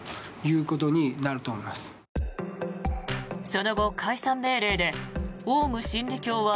その後、解散命令でオウム真理教は